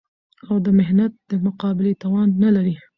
او د محنت د مقابلې توان نه لري